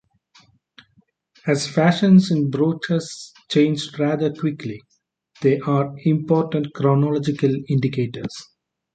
As fashions in brooches changed rather quickly, they are important chronological indicators.